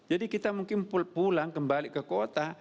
jadi kita mungkin pulang kembali ke kota